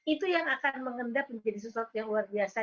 itu yang akan mengendap menjadi sesuatu yang luar biasa